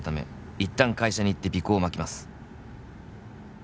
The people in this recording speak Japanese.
「いったん会社に行って尾行をまきます」